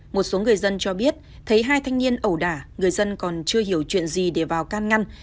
một số người dân cho biết thấy hai thanh niên ẩu đả người dân còn chưa hiểu chuyện gì để vào can ngăn